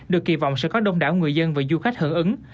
được kỳ vọng sẽ có đông đảo người dân và du khách hưởng ứng